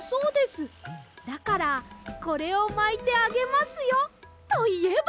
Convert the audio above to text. だからこれをまいてあげますよといえば。